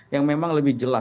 yang memang lebih jelas